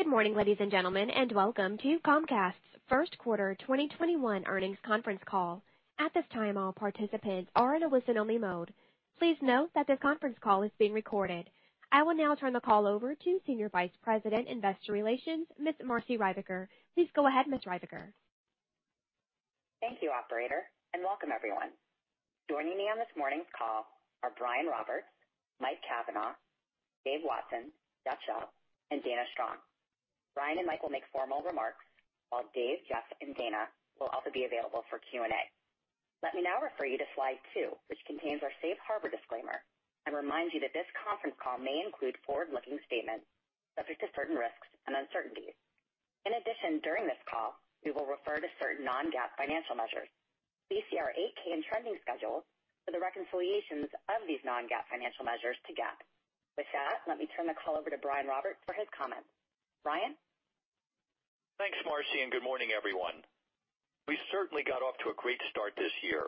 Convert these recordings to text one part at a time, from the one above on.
Good morning, ladies and gentlemen, welcome to Comcast's first quarter 2021 earnings conference call. At this time, all participants are in a listen-only mode. Please note that this conference call is being recorded. I will now turn the call over to Senior Vice President, Investor Relations, Ms. Marci Ryvicker. Please go ahead, Ms. Ryvicker. Thank you, operator, and welcome everyone. Joining me on this morning's call are Brian Roberts, Mike Cavanagh, Dave Watson, Jeff Shell, and Dana Strong. Brian and Mike will make formal remarks, while Dave, Jeff, and Dana will also be available for Q&A. Let me now refer you to slide two, which contains our safe harbor disclaimer and reminds you that this conference call may include forward-looking statements subject to certain risks and uncertainties. In addition, during this call, we will refer to certain non-GAAP financial measures. Please see our 8-K and trending schedule for the reconciliations of these non-GAAP financial measures to GAAP. With that, let me turn the call over to Brian Roberts for his comments. Brian? Thanks, Marci, and good morning, everyone. We certainly got off to a great start this year.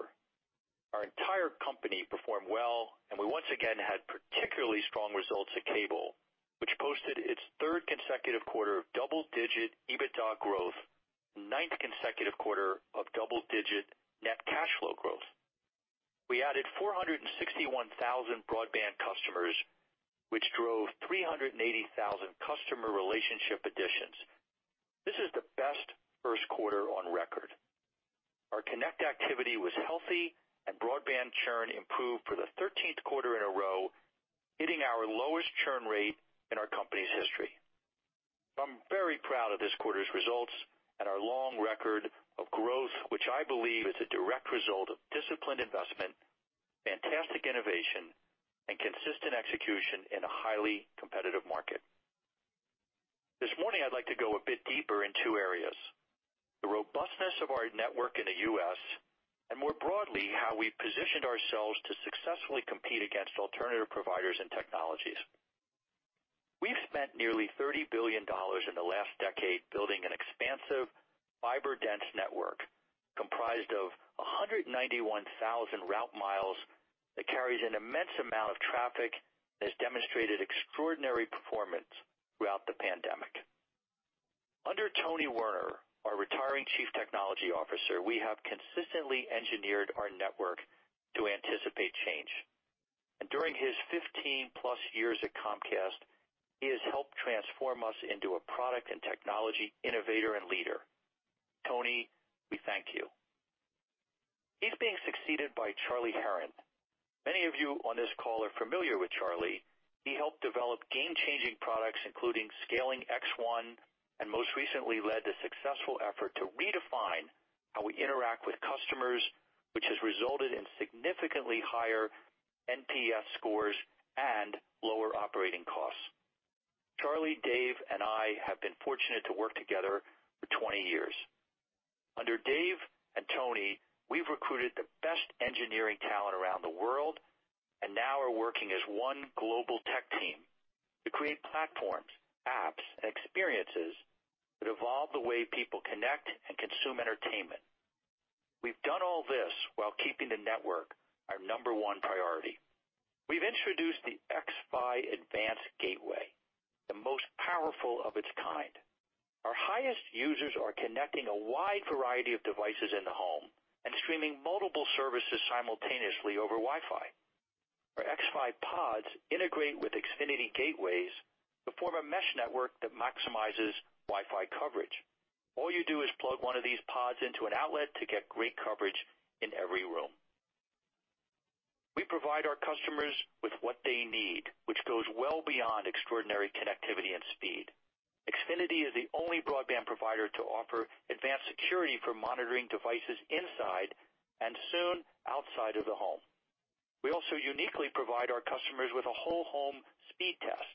Our entire company performed well, and we once again had particularly strong results at Cable, which posted its third consecutive quarter of double-digit EBITDA growth, ninth consecutive quarter of double-digit net cash flow growth. We added 461,000 broadband customers, which drove 380,000 customer relationship additions. This is the best first quarter on record. Our connect activity was healthy, and broadband churn improved for the 13th quarter in a row, hitting our lowest churn rate in our company's history. I'm very proud of this quarter's results and our long record of growth, which I believe is a direct result of disciplined investment, fantastic innovation, and consistent execution in a highly competitive market. This morning, I'd like to go a bit deeper in two areas, the robustness of our network in the U.S., and more broadly, how we positioned ourselves to successfully compete against alternative providers and technologies. We've spent nearly $30 billion in the last decade building an expansive, fiber-dense network comprised of 191,000 route miles that carries an immense amount of traffic and has demonstrated extraordinary performance throughout the pandemic. Under Tony Werner, our retiring Chief Technology Officer, we have consistently engineered our network to anticipate change. During his 15-plus years at Comcast, he has helped transform us into a product and technology innovator and leader. Tony, we thank you. He's being succeeded by Charlie Herrin. Many of you on this call are familiar with Charlie. He helped develop game-changing products, including scaling X1, and most recently led the successful effort to redefine how we interact with customers, which has resulted in significantly higher NPS scores and lower operating costs. Charlie, Dave, and I have been fortunate to work together for 20 years. Under Dave and Tony, we've recruited the best engineering talent around the world and now are working as one global tech team to create platforms, apps, and experiences that evolve the way people connect and consume entertainment. We've done all this while keeping the network our number one priority. We've introduced the xFi Advanced Gateway, the most powerful of its kind. Our highest users are connecting a wide variety of devices in the home and streaming multiple services simultaneously over Wi-Fi. Our xFi Pods integrate with Xfinity Gateways to form a mesh network that maximizes Wi-Fi coverage. All you do is plug one of these pods into an outlet to get great coverage in every room. We provide our customers with what they need, which goes well beyond extraordinary connectivity and speed. Xfinity is the only broadband provider to offer advanced security for monitoring devices inside and soon outside of the home. We also uniquely provide our customers with a whole home speed test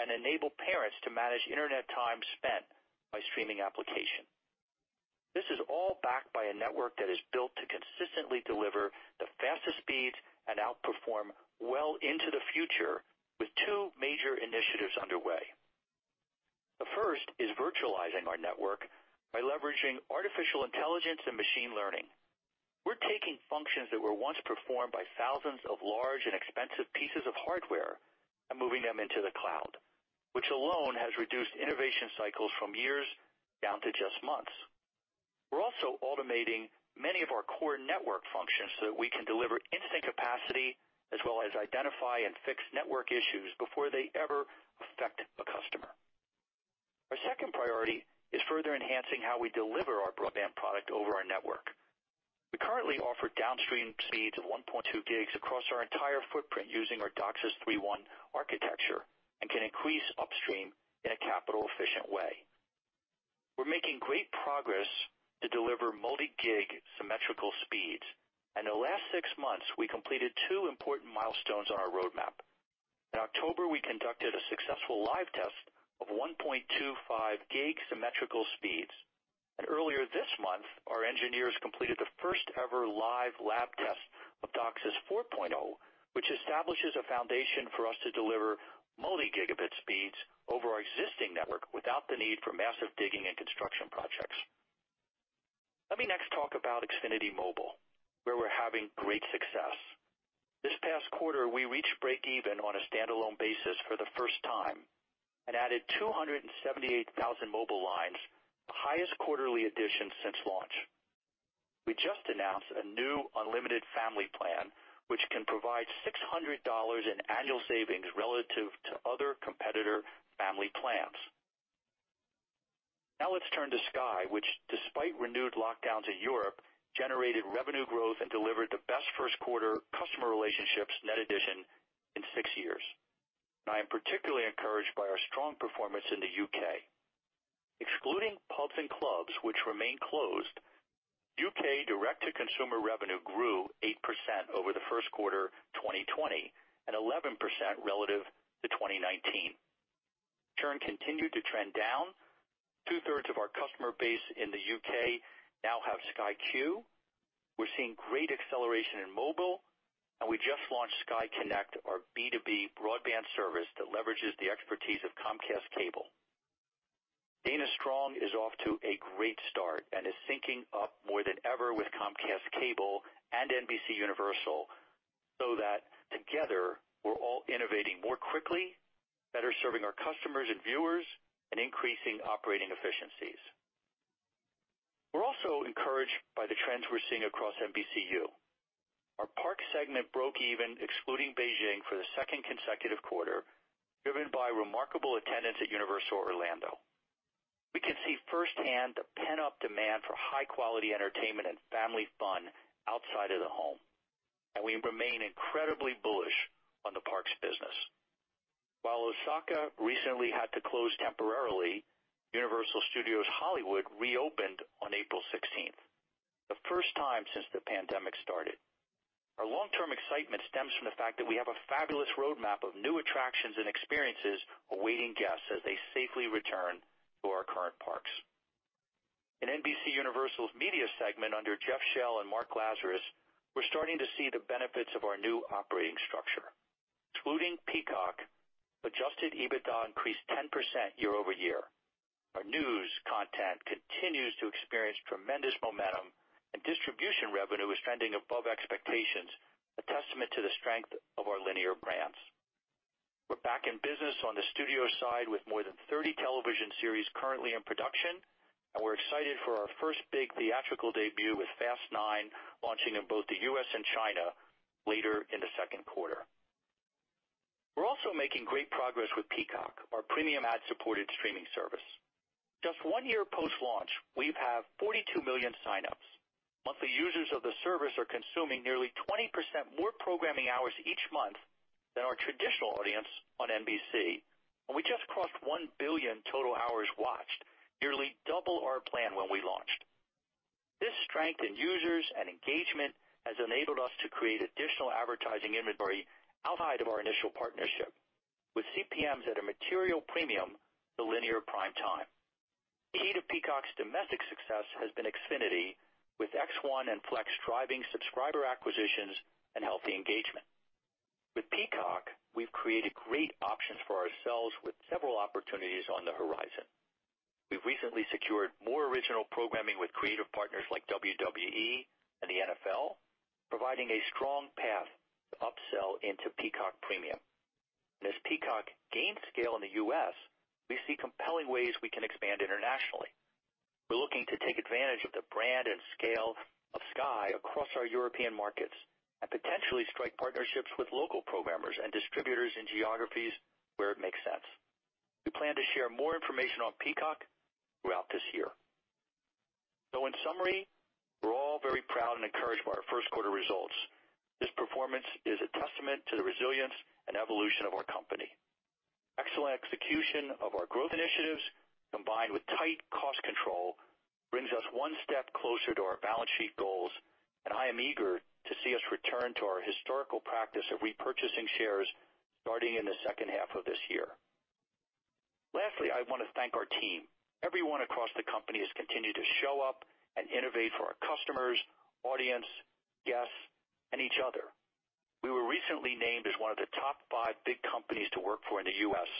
and enable parents to manage internet time spent by streaming application. This is all backed by a network that is built to consistently deliver the fastest speeds and outperform well into the future with two major initiatives underway. The first is virtualizing our network by leveraging artificial intelligence and machine learning. We're taking functions that were once performed by thousands of large and expensive pieces of hardware and moving them into the cloud, which alone has reduced innovation cycles from years down to just months. We're also automating many of our core network functions so that we can deliver instant capacity as well as identify and fix network issues before they ever affect a customer. Our second priority is further enhancing how we deliver our broadband product over our network. We currently offer downstream speeds of 1.2 gigs across our entire footprint using our DOCSIS 3.1 architecture and can increase upstream in a capital-efficient way. We're making great progress to deliver multi-gig symmetrical speeds. In the last six months, we completed two important milestones on our roadmap. In October, we conducted a successful live test of 1.25 gig symmetrical speeds. Earlier this month, our engineers completed the first ever live lab test of DOCSIS 4.0, which establishes a foundation for us to deliver multi-gigabit speeds over our existing network without the need for massive digging and construction projects. Let me next talk about Xfinity Mobile, where we're having great success. This past quarter, we reached break even on a standalone basis for the first time and added 278,000 mobile lines, the highest quarterly addition since launch. We just announced a new unlimited family plan, which can provide $600 in annual savings relative to other competitor family plans. Let's turn to Sky, which despite renewed lockdowns in Europe, generated revenue growth and delivered the best first quarter customer relationships net addition in six years. I am particularly encouraged by our strong performance in the U.K. Excluding pubs and clubs, which remain closed, U.K. direct-to-consumer revenue grew 8% over the first quarter 2020, and 11% relative to 2019. Churn continued to trend down. Two-thirds of our customer base in the U.K. now have Sky Q. We're seeing great acceleration in mobile, and we just launched Sky Connect, our B2B broadband service that leverages the expertise of Comcast Cable. Dana Strong is off to a great start and is syncing up more than ever with Comcast Cable and NBCUniversal so that together, we're all innovating more quickly, better serving our customers and viewers, and increasing operating efficiencies. We're also encouraged by the trends we're seeing across NBCU. Our park segment broke even, excluding Beijing, for the second consecutive quarter, driven by remarkable attendance at Universal Orlando. We can see firsthand the pent-up demand for high-quality entertainment and family fun outside of the home, and we remain incredibly bullish on the parks business. While Osaka recently had to close temporarily, Universal Studios Hollywood reopened on April 16th, the first time since the pandemic started. Our long-term excitement stems from the fact that we have a fabulous roadmap of new attractions and experiences awaiting guests as they safely return to our current parks. In NBCUniversal's media segment under Jeff Shell and Mark Lazarus, we're starting to see the benefits of our new operating structure. Excluding Peacock, adjusted EBITDA increased 10% year-over-year. Our news content continues to experience tremendous momentum, and distribution revenue is trending above expectations, a testament to the strength of our linear brands. We're back in business on the studio side with more than 30 television series currently in production, and we're excited for our first big theatrical debut with Fast 9 launching in both the U.S. and China later in the second quarter. We're also making great progress with Peacock, our premium ad-supported streaming service. Just one year post-launch, we have 42 million sign-ups. Monthly users of the service are consuming nearly 20% more programming hours each month than our traditional audience on NBC, and we just crossed 1 billion total hours watched, nearly double our plan when we launched. This strength in users and engagement has enabled us to create additional advertising inventory outside of our initial partnership with CPMs at a material premium to linear prime time. The key to Peacock's domestic success has been Xfinity, with X1 and Flex driving subscriber acquisitions and healthy engagement. With Peacock, we've created great options for ourselves with several opportunities on the horizon. We've recently secured more original programming with creative partners like WWE and the NFL, providing a strong path to upsell into Peacock Premium. As Peacock gains scale in the U.S., we see compelling ways we can expand internationally. We're looking to take advantage of the brand and scale of Sky across our European markets and potentially strike partnerships with local programmers and distributors in geographies where it makes sense. We plan to share more information on Peacock throughout this year. In summary, we're all very proud and encouraged by our first quarter results. This performance is a testament to the resilience and evolution of our company. Excellent execution of our growth initiatives, combined with tight cost control, brings us one step closer to our balance sheet goals. I am eager to see us return to our historical practice of repurchasing shares starting in the second half of this year. Lastly, I want to thank our team. Everyone across the company has continued to show up and innovate for our customers, audience, guests, and each other. We were recently named as one of the top 5 big companies to work for in the U.S.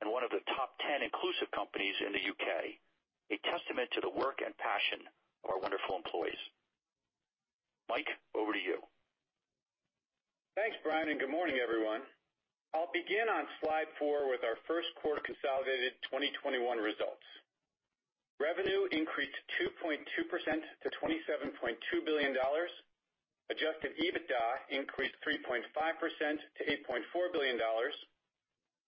and one of the top 10 inclusive companies in the U.K., a testament to the work and passion of our wonderful employees. Mike, over to you. Thanks, Brian. Good morning, everyone. I'll begin on slide four with our first quarter consolidated 2021 results. Revenue increased 2.2% to $27.2 billion. Adjusted EBITDA increased 3.5% to $8.4 billion.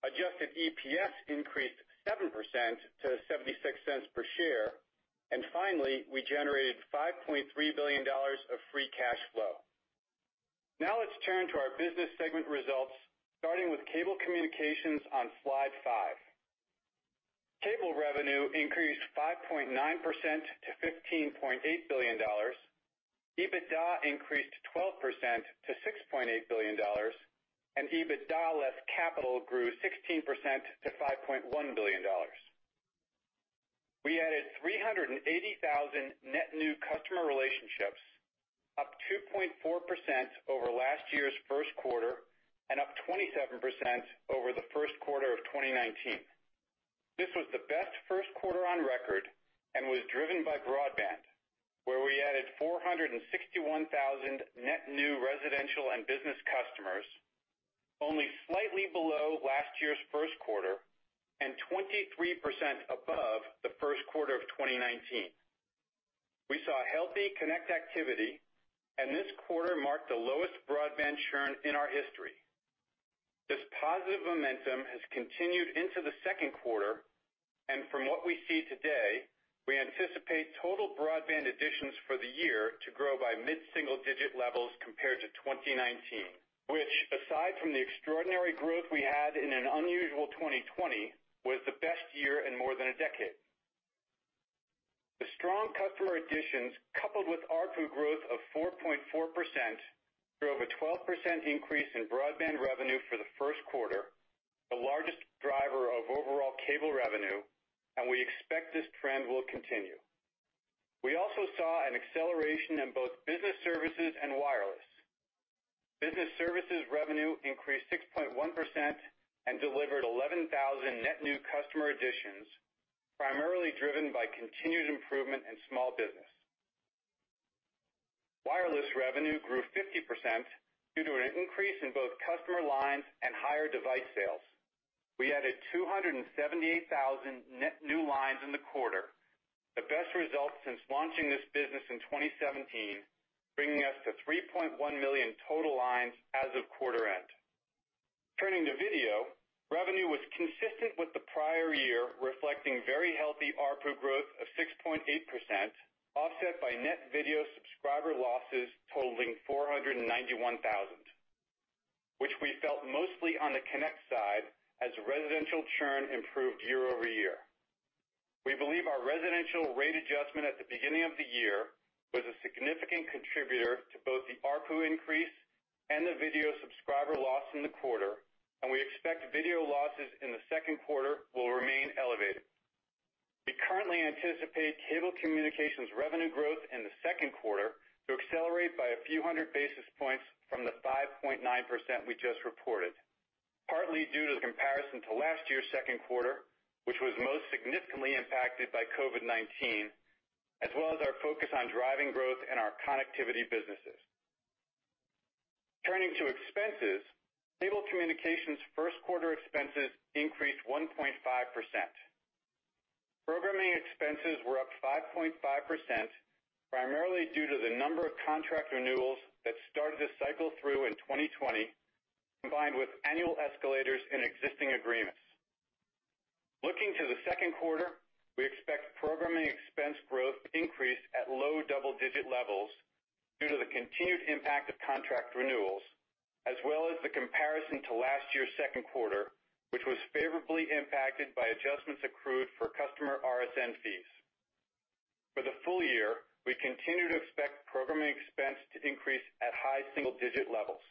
Adjusted EPS increased 7% to $0.76 per share. Finally, we generated $5.3 billion of free cash flow. Now let's turn to our business segment results, starting with Cable Communications on slide five. Cable revenue increased 5.9% to $15.8 billion. EBITDA increased 12% to $6.8 billion, and EBITDA less CapEx grew 16% to $5.1 billion. We added 380,000 net new customer relationships. Up 2.4% over last year's first quarter, and up 27% over the first quarter of 2019. This was the best first quarter on record and was driven by broadband, where we added 461,000 net new residential and business customers, only slightly below last year's first quarter, and 23% above the first quarter of 2019. We saw healthy connect activity, and this quarter marked the lowest broadband churn in our history. This positive momentum has continued into the second quarter, and from what we see today, we anticipate total broadband additions for the year to grow by mid-single digit levels compared to 2019, which, aside from the extraordinary growth we had in an unusual 2020, was the best year in more than a decade. The strong customer additions, coupled with ARPU growth of 4.4%, drove a 12% increase in broadband revenue for the first quarter, the largest driver of overall cable revenue, and we expect this trend will continue. We also saw an acceleration in both business services and wireless. Business services revenue increased 6.1% and delivered 11,000 net new customer additions, primarily driven by continued improvement in small business. Wireless revenue grew 50% due to an increase in both customer lines and higher device sales. We added 278,000 net new lines in the quarter, the best results since launching this business in 2017, bringing us to 3.1 million total lines as of quarter end. Turning to Video, revenue was consistent with the prior year, reflecting very healthy ARPU growth of 6.8%, offset by net Video subscriber losses totaling 491,000, which we felt mostly on the connect side as residential churn improved year-over-year. We believe our residential rate adjustment at the beginning of the year was a significant contributor to both the ARPU increase and the Video subscriber loss in the quarter, and we expect Video losses in the second quarter will remain elevated. We currently anticipate Cable Communications revenue growth in the second quarter to accelerate by a few hundred basis points from the 5.9% we just reported, partly due to the comparison to last year's second quarter, which was most significantly impacted by COVID-19, as well as our focus on driving growth in our connectivity businesses. Turning to expenses, Cable Communications first quarter expenses increased 1.5%. Programming expenses were up 5.5%, primarily due to the number of contract renewals that started to cycle through in 2020, combined with annual escalators in existing agreements. Looking to the second quarter, we expect programming expense growth increase at low double-digit levels due to the continued impact of contract renewals, as well as the comparison to last year's second quarter, which was favorably impacted by adjustments accrued for customer RSN fees. For the full year, we continue to expect programming expense to increase at high single-digit levels.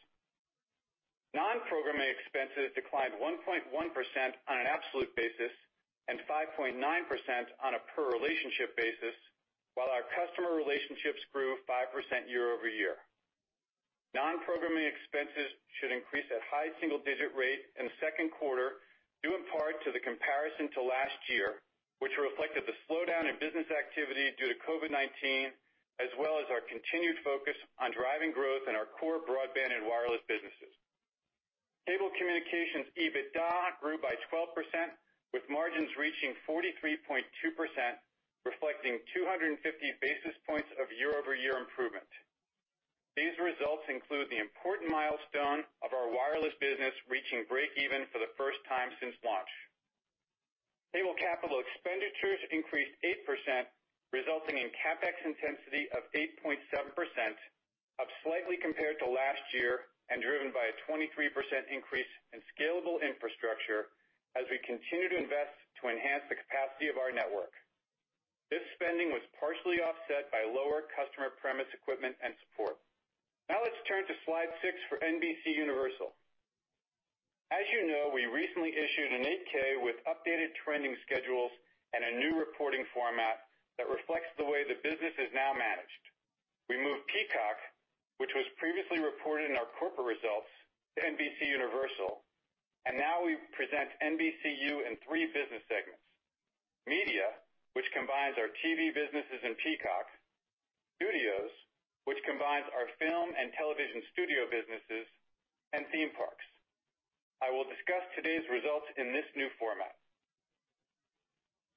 Non-programming expenses declined 1.1% on an absolute basis and 5.9% on a per-relationship basis, while our customer relationships grew 5% year-over-year. Non-programming expenses should increase at high single-digit rate in the second quarter, due in part to the comparison to last year, which reflected the slowdown in business activity due to COVID-19, as well as our continued focus on driving growth in our core broadband and wireless businesses. Cable Communications EBITDA grew by 12%, with margins reaching 43.2%, reflecting 250 basis points of year-over-year improvement. These results include the important milestone of our wireless business reaching break even for the first time since launch. Cable capital expenditures increased 8%, resulting in CapEx intensity of 8.7%, up slightly compared to last year and driven by a 23% increase in scalable infrastructure as we continue to invest to enhance the capacity of our network. This spending was partially offset by lower customer premise equipment and support. Let's turn to slide six for NBCUniversal. As you know, we recently issued an 8-K with updated trending schedules and a new reporting format that reflects the way the business is now managed. We moved Peacock, which was previously reported in our corporate results, to NBCUniversal. We now present NBCU in three business segments, Media, which combines our TV businesses and Peacock, Studios, which combines our film and television studio businesses, and Theme Parks. I will discuss today's results in this new format.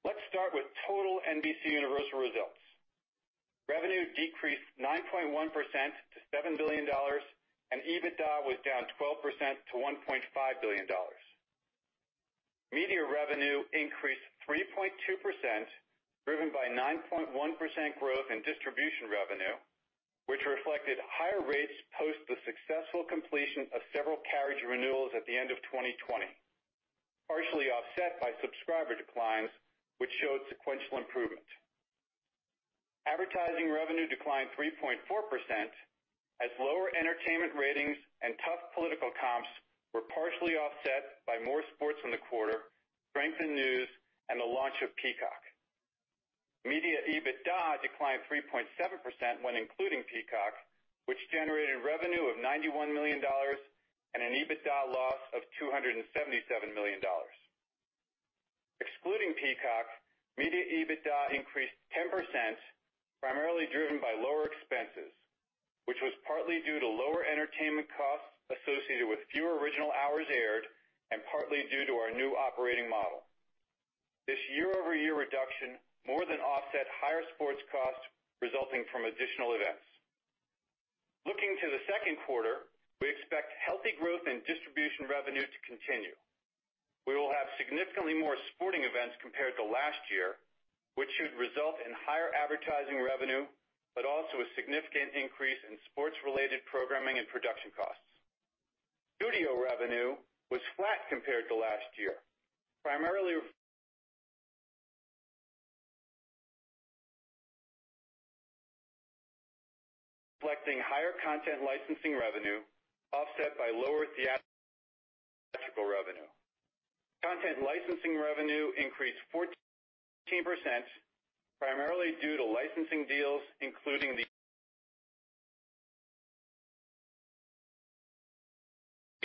Let's start with total NBCUniversal results. Revenue decreased 9.1% to $7 billion, and EBITDA was down 12% to $1.5 billion. Media revenue increased 3.2%, driven by 9.1% growth in distribution revenue, which reflected higher rates post the successful completion of several carriage renewals at the end of 2020, partially offset by subscriber declines, which showed sequential improvement. Advertising revenue declined 3.4%. As lower entertainment ratings and tough political comps were partially offset by more sports in the quarter, strength in news, and the launch of Peacock. Media EBITDA declined 3.7% when including Peacock, which generated revenue of $91 million and an EBITDA loss of $277 million. Excluding Peacock, media EBITDA increased 10%, primarily driven by lower expenses, which was partly due to lower entertainment costs associated with fewer original hours aired, and partly due to our new operating model. This year-over-year reduction more than offset higher sports costs resulting from additional events. Looking to the second quarter, we expect healthy growth in distribution revenue to continue. We will have significantly more sporting events compared to last year, which should result in higher advertising revenue, but also a significant increase in sports-related programming and production costs. Studio revenue was flat compared to last year, primarily reflecting higher content licensing revenue offset by lower theatrical revenue. Content licensing revenue increased 14%, primarily due to licensing deals, including "The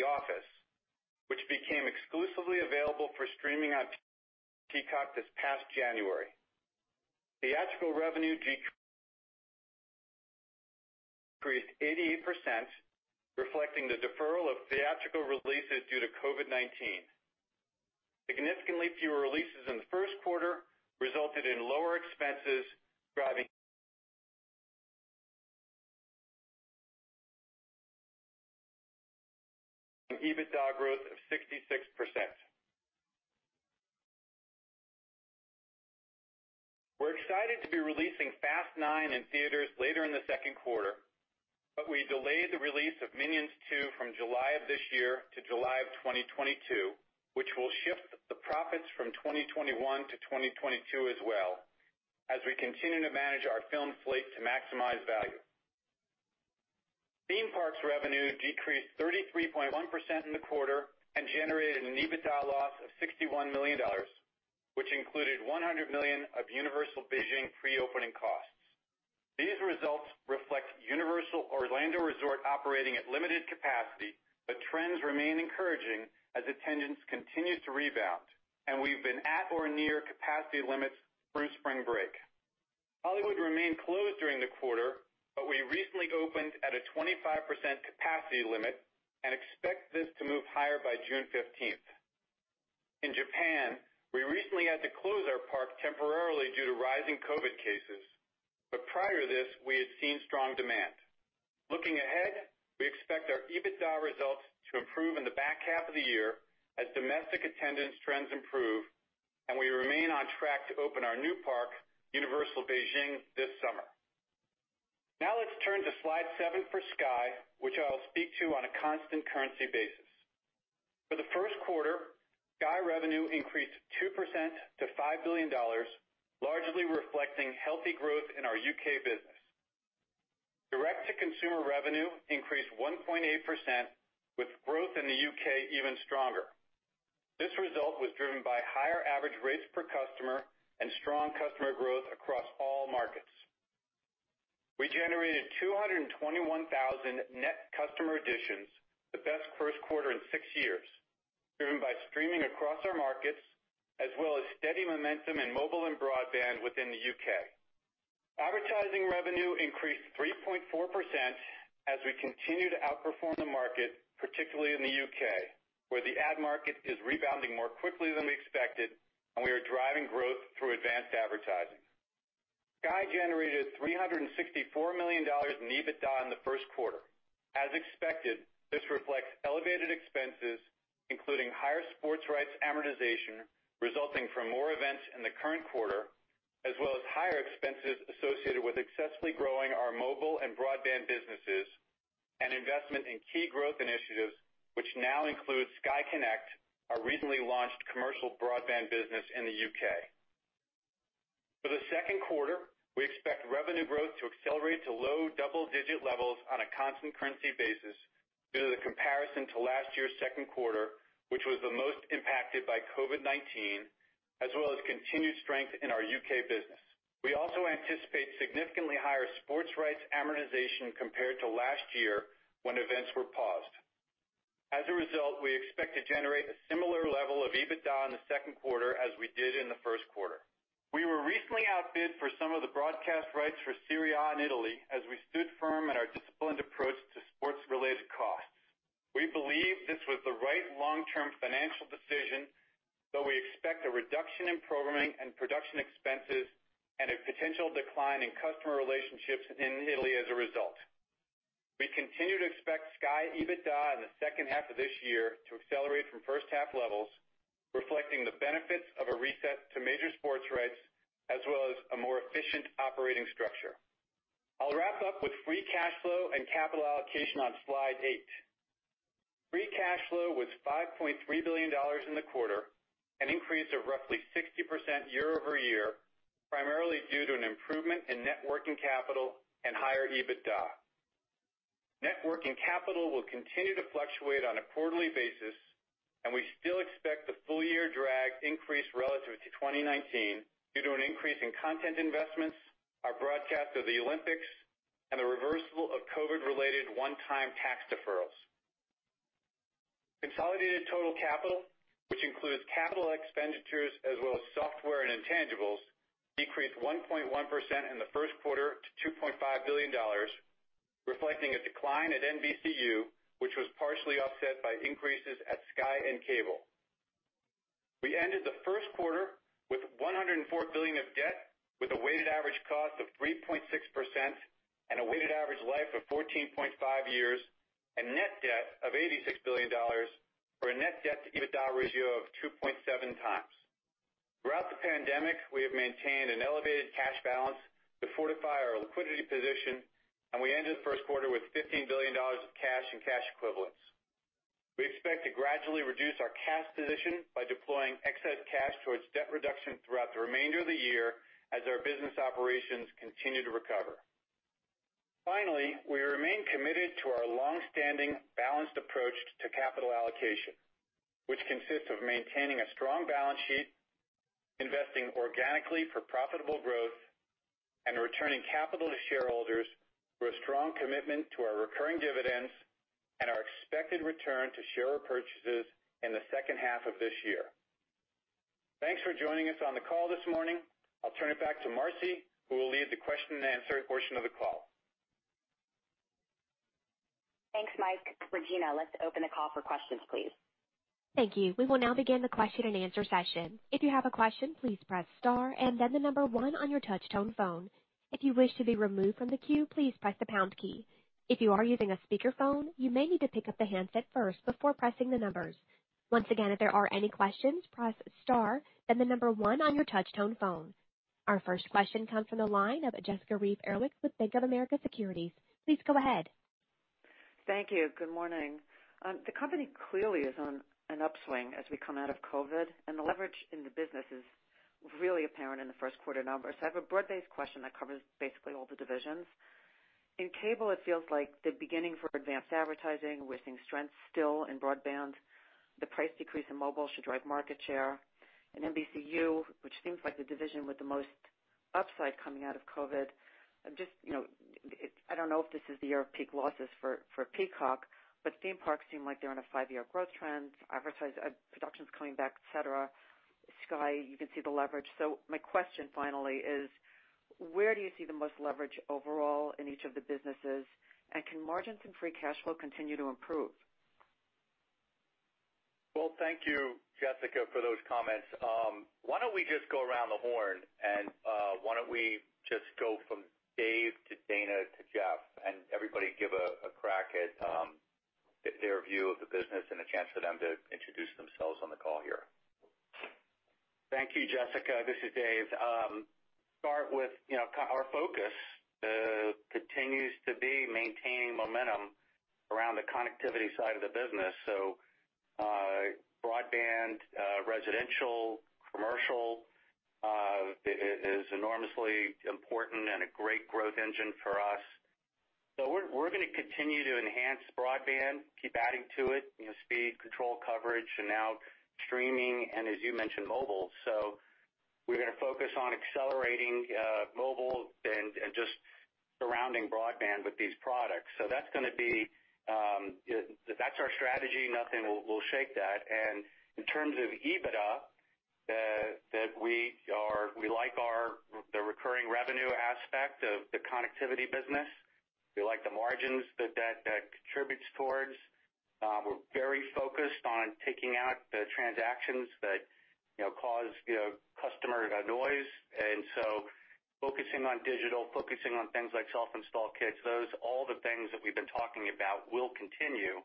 Office," which became exclusively available for streaming on Peacock this past January. Theatrical revenue decreased 88%, reflecting the deferral of theatrical releases due to COVID-19. Significantly fewer releases in the first quarter resulted in lower expenses, driving EBITDA growth of 66%. We're excited to be releasing "Fast 9" in theaters later in the second quarter, but we delayed the release of "Minions 2" from July of this year to July of 2022, which will shift the profits from 2021 to 2022 as well, as we continue to manage our film slate to maximize value. Theme parks revenue decreased 33.1% in the quarter and generated an EBITDA loss of $61 million, which included $100 million of Universal Beijing pre-opening costs. These results reflect Universal Orlando Resort operating at limited capacity, but trends remain encouraging as attendance continues to rebound, and we've been at or near capacity limits through spring break. Hollywood remained closed during the quarter, but we recently opened at a 25% capacity limit and expect this to move higher by June 15th. In Japan, we recently had to close our park temporarily due to rising COVID cases. Prior to this, we had seen strong demand. Looking ahead, we expect our EBITDA results to improve in the back half of the year as domestic attendance trends improve and we remain on track to open our new park, Universal Beijing, this summer. Let's turn to slide seven for Sky, which I'll speak to on a constant currency basis. For the first quarter, Sky revenue increased 2% to $5 billion, largely reflecting healthy growth in our U.K. business. Direct-to-consumer revenue increased 1.8%, with growth in the U.K. even stronger. This result was driven by higher average rates per customer and strong customer growth across all markets. We generated 221,000 net customer additions, the best first quarter in six years, driven by streaming across our markets, as well as steady momentum in mobile and broadband within the U.K. Advertising revenue increased 3.4% as we continue to outperform the market, particularly in the U.K., where the ad market is rebounding more quickly than we expected and we are driving growth through advanced advertising. Sky generated $364 million in EBITDA in the first quarter. As expected, this reflects elevated expenses, including higher sports rights amortization resulting from more events in the current quarter as well as higher expenses associated with successfully growing our mobile and broadband businesses and investment in key growth initiatives, which now include Sky Connect, our recently launched commercial broadband business in the U.K. For the second quarter, we expect revenue growth to accelerate to low double-digit levels on a constant currency basis due to the comparison to last year's second quarter, which was the most impacted by COVID-19, as well as continued strength in our U.K. business. We also anticipate significantly higher sports rights amortization compared to last year when events were paused. As a result, we expect to generate a similar level of EBITDA in the second quarter as we did in the first quarter. We were recently outbid for some of the broadcast rights for Serie A in Italy, as we stood firm in our disciplined approach to sports-related costs. We believe this was the right long-term financial decision, but we expect a reduction in programming and production expenses and a potential decline in customer relationships in Italy as a result. We continue to expect Sky EBITDA in the second half of this year to accelerate from first half levels, reflecting the benefits of a reset to major sports rights as well as a more efficient operating structure. I'll wrap up with free cash flow and capital allocation on slide eight. Free cash flow was $5.3 billion in the quarter, an increase of roughly 60% year-over-year, primarily due to an improvement in net working capital and higher EBITDA. Net working capital will continue to fluctuate on a quarterly basis, and we still expect the full year drag increase relative to 2019 due to an increase in content investments, our broadcast of the Olympics, and the reversal of COVID related one-time tax deferrals. Consolidated total capital, which includes capital expenditures as well as software and intangibles, decreased 1.1% in the first quarter to $2.5 billion, reflecting a decline at NBCU, which was partially offset by increases at Sky and Cable. We ended the first quarter with $104 billion of debt, with a weighted average cost of 3.6% and a weighted average life of 14.5 years, and net debt of $86 billion, or a net debt to EBITDA ratio of 2.7x. Throughout the pandemic, we have maintained an elevated cash balance to fortify our liquidity position, and we ended the first quarter with $15 billion of cash and cash equivalents. We expect to gradually reduce our cash position by deploying excess cash towards debt reduction throughout the remainder of the year as our business operations continue to recover. Finally, we remain committed to our longstanding balanced approach to capital allocation, which consists of maintaining a strong balance sheet, investing organically for profitable growth, and returning capital to shareholders with strong commitment to our recurring dividends and our expected return to share purchases in the second half of this year. Thanks for joining us on the call this morning. I'll turn it back to Marci, who will lead the question and answer portion of the call. Thanks, Mike. Regina, let's open the call for questions, please. Thank you. We will now begin the question and answer session. If you have a question, please press star and then the number one on your touch-tone phone. If you wish to be removed from the queue, please press the pound key. If you are using a speakerphone, you may need to pick up the handset first before pressing the numbers. Once again, if there are any questions, press star, then the number one on your touch-tone phone. Our first question comes from the line of Jessica Reif Ehrlich with Bank of America Securities. Please go ahead. Thank you. Good morning. The company clearly is on an upswing as we come out of COVID, and the leverage in the business is really apparent in the first quarter numbers. I have a broad-based question that covers basically all the divisions. In Cable Communications, it feels like the beginning for advanced advertising. We're seeing strength still in broadband. The price decrease in mobile should drive market share. In NBCU, which seems like the division with the most upside coming out of COVID. I don't know if this is the year of peak losses for Peacock, but theme parks seem like they're on a five-year growth trend. Production's coming back, et cetera. Sky Group, you can see the leverage. My question finally is, where do you see the most leverage overall in each of the businesses, and can margins and free cash flow continue to improve? Well, thank you, Jessica, for those comments. Why don't we just go around the horn, and why don't we just go from Dave to Dana to Jeff and everybody give a crack at their view of the business and a chance for them to introduce themselves on the call here. Thank you, Jessica. This is Dave. Start with our focus continues to be maintaining momentum around the connectivity side of the business, so broadband, residential, commercial is enormously important and a great growth engine for us. We're going to continue to enhance broadband, keep adding to it, speed, control coverage, and now streaming, and as you mentioned, mobile. We're going to focus on accelerating mobile and just surrounding broadband with these products. That's our strategy. Nothing will shake that. In terms of EBITDA, that we like the recurring revenue aspect of the connectivity business. We like the margins that that contributes towards. We're very focused on taking out the transactions that cause customer noise. Focusing on digital, focusing on things like self-install kits, those all the things that we've been talking about will continue.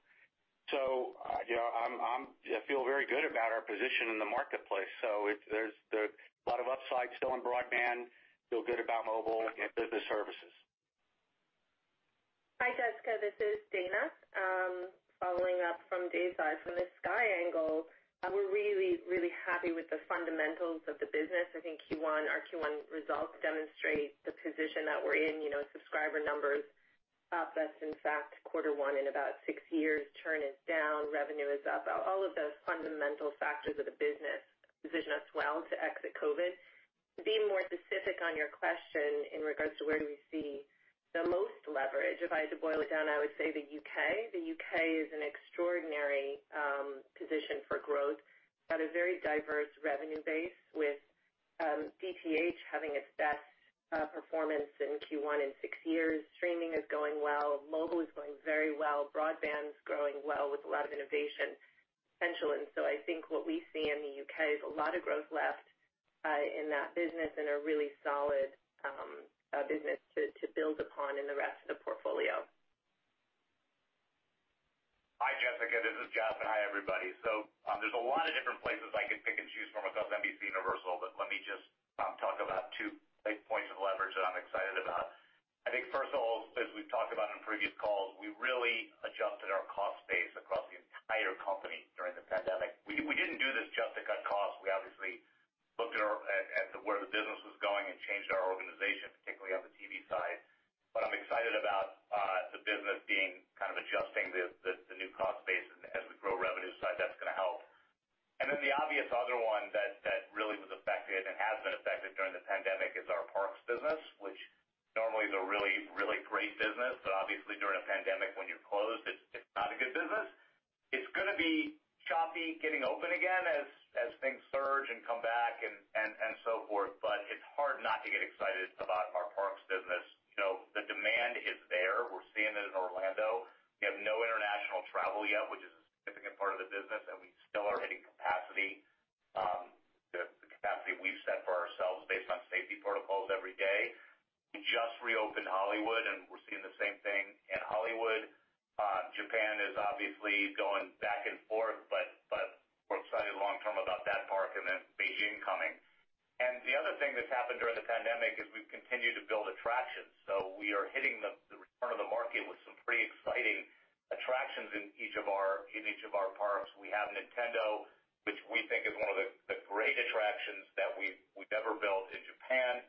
I feel very good about our position in the marketplace. There's a lot of upside still in broadband. I feel good about mobile and business services. Hi, Jessica, this is Dana. Following up from Dave from the Sky angle, we're really happy with the fundamentals of the business. I think our Q1 results demonstrate the position that we're in. Subscriber numbers up. That's in fact quarter one in about six years. Churn is down, revenue is up. All of those fundamental factors of the business position us well to exit COVID. To be more specific on your question in regards to where do we see the most leverage, if I had to boil it down, I would say the U.K. The U.K. is an extraordinary position for growth. Got a very diverse revenue base with DTH having its best performance in Q1 in six years. Streaming is going well. Mobile is going very well. Broadband's growing well with a lot of innovation potential. I think what we see in the U.K. is a lot of growth left in that business and a really solid business to build upon in the rest of the portfolio. Hi, Jessica, this is Jeff. Hi, everybody. There's a lot of different places I could pick and choose from across NBCUniversal, but let me just talk about two big points of leverage that I'm excited about. I think first of all, as we've talked about in previous calls, we really adjusted our cost base across the entire company during the pandemic. We didn't do this just to cut costs. We obviously looked at where the business was going and changed our organization, particularly on the TV side. I'm excited about the business adjusting the new cost base, and as we grow revenue side, that's going to help. The obvious other one that really was affected and has been affected during the pandemic is our parks business, which normally is a really great business, but obviously during a pandemic, when you're closed, it's not a good business. It's going to be choppy getting open again as things surge and come back and so forth, but it's hard not to get excited about our parks business. The demand is there. We're seeing it in Orlando. We have no international travel yet, which is a significant part of the business, and we still are hitting capacity, the capacity we've set for ourselves based on safety protocols every day. We just reopened Hollywood, and we're seeing the same thing in Hollywood. Japan is obviously going back and forth, but we're excited long term about that park and then Beijing coming. The other thing that's happened during the pandemic is we've continued to build attractions. We are hitting the return of the market with some pretty exciting attractions in each of our parks. We have Nintendo, which we think is one of the great attractions that we've ever built in Japan,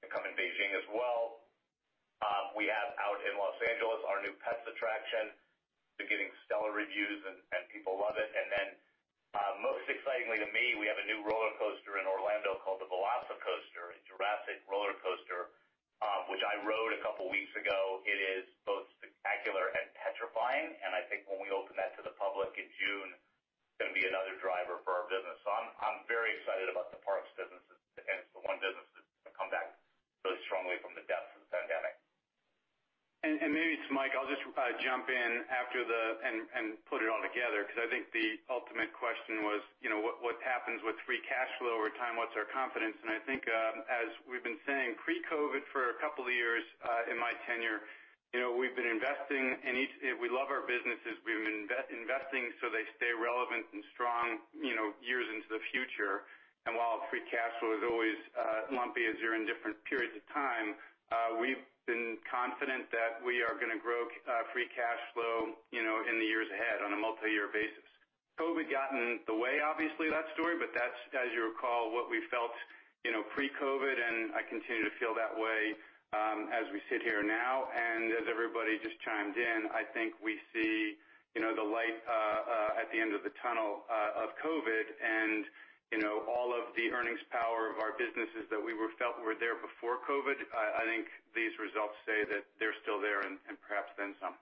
to come in Beijing as well. We have out in Los Angeles our new Pets attraction. It's been getting stellar reviews, and people love it. Then, most excitingly to me, we have a new roller coaster in Orlando called the VelociCoaster, a Jurassic roller coaster, which I rode a couple weeks ago. It is both spectacular and petrifying, and I think when we open that to the public in June, it's going to be another driver for our business. I'm very excited about the parks business. It's the one business that's going to come back really strongly from the depths of the pandemic. Maybe, this is Mike, I'll just jump in and put it all together because I think the ultimate question was what happens with free cash flow over time? What's our confidence? I think as we've been saying, pre-COVID, for a couple of years in my tenure, we've been investing. We love our businesses. We've been investing so they stay relevant and strong years into the future. While free cash flow is always lumpy as you're in different periods of time, we've been confident that we are going to grow free cash flow in the years ahead on a multi-year basis. COVID got in the way, obviously, of that story, but that's, as you recall, what we felt pre-COVID, and I continue to feel that way as we sit here now. As everybody just chimed in, I think we see the light at the end of the tunnel of COVID and all of the earnings power of our businesses that we felt were there before COVID, I think these results say that they're still there and perhaps then some.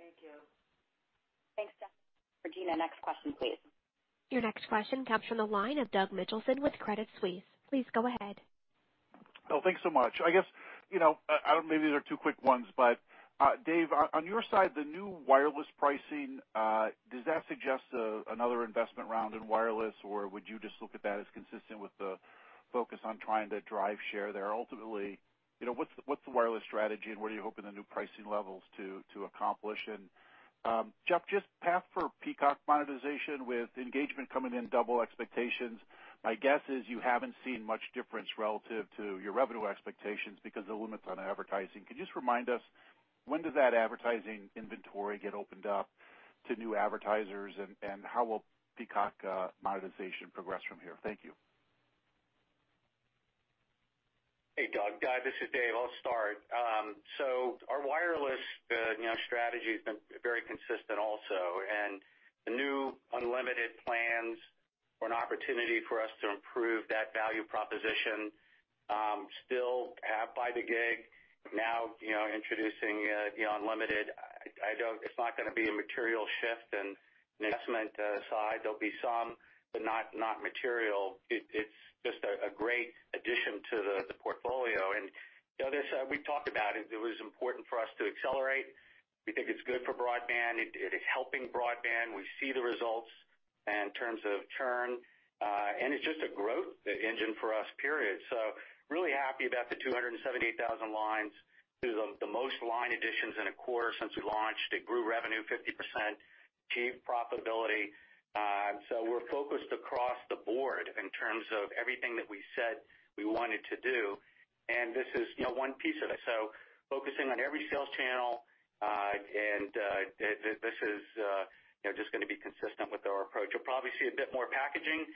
Thank you. Thanks, Jess. Regina, next question, please. Your next question comes from the line of Doug Mitchelson with Credit Suisse. Please go ahead. Oh, thanks so much. I guess, maybe these are two quick ones. Dave, on your side, the new wireless pricing, does that suggest another investment round in wireless, or would you just look at that as consistent with the focus on trying to drive share there ultimately? What's the wireless strategy and what are you hoping the new pricing levels to accomplish? Jeff, just path for Peacock monetization with engagement coming in double expectations. My guess is you haven't seen much difference relative to your revenue expectations because of the limits on advertising. Could you just remind us when does that advertising inventory get opened up to new advertisers and how will Peacock monetization progress from here? Thank you. Hey, Doug. This is Dave. I'll start. Our wireless strategy has been very consistent also, and the new unlimited plans were an opportunity for us to improve that value proposition. Still have by the gig. Now introducing the unlimited. It's not going to be a material shift in investment side. There'll be some, but not material. It's just a great addition to the portfolio. The other side, we've talked about it. It was important for us to accelerate. We think it's good for broadband. It is helping broadband. We see the results in terms of churn, and it's just a growth engine for us, period. Really happy about the 278,000 lines. These are the most line additions in a quarter since we launched. It grew revenue 50%, achieved profitability. We're focused across the board in terms of everything that we said we wanted to do, and this is one piece of it. Focusing on every sales channel, and this is just going to be consistent with our approach. You'll probably see a bit more packaging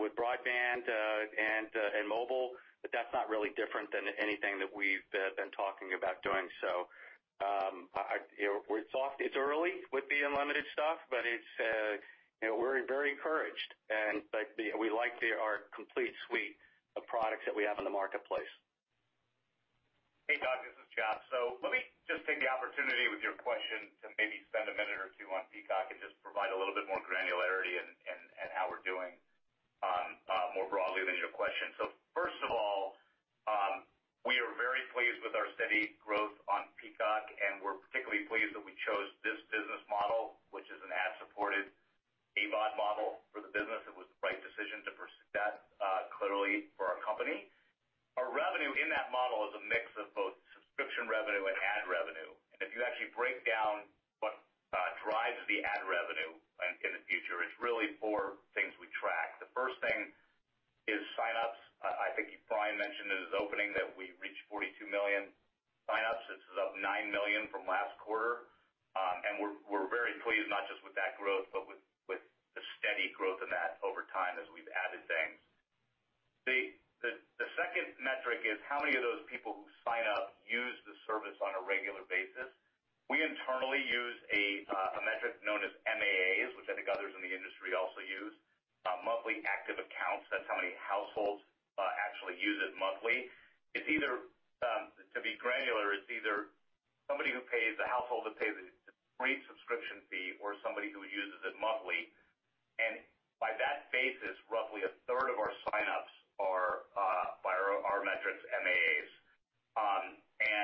with broadband and mobile, but that's not really different than anything that we've been talking about doing. It's early with the unlimited stuff, but we're very encouraged, and we like our complete suite of products that we have in the marketplace. Hey, Doug, this is Jeff. Let me just take the opportunity with your question to maybe spend a minute or two on Peacock and just provide a little bit more granularity in how we're doing more broadly than your question. First of all, we are very pleased with our steady growth on Peacock, and we're particularly pleased that we chose this business model, which is an ad-supported AVOD model for the business. It was the right decision to pursue that, clearly, for our company. Our revenue in that model is a mix of both subscription revenue and ad revenue. If you actually break down what drives the ad revenue in the future, it's really four things. The first thing is signups. I think Brian mentioned in his opening that we reached 42 million signups. This is up 9 million from last quarter. We're very pleased, not just with that growth, but with the steady growth of that over time as we've added things. The second metric is how many of those people who sign up use the service on a regular basis. We internally use a metric known as MAAs, which I think others in the industry also use. Monthly active accounts, that's how many households actually use it monthly. To be granular, it's either somebody who pays, a household that pays a free subscription fee or somebody who uses it monthly. By that basis, roughly a third of our signups are, by our metrics, MAAs.